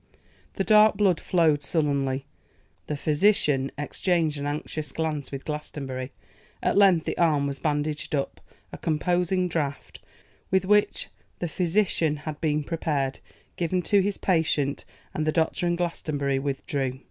The dark blood flowed sullenly; the physician exchanged an anxious glance with Glastonbury; at length the arm was bandaged up, a composing draught, with which the physician had been prepared, given to his patient, and the doctor and Glastonbury withdrew.